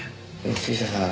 杉下さん